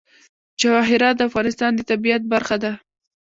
جواهرات د افغانستان د طبیعت برخه ده.